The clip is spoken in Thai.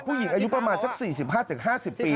ผู้หญิงอายุประมาณสัก๔๕๕๐ปี